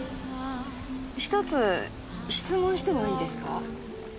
１つ質問してもいいですか？